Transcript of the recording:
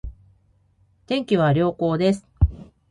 天気は良好です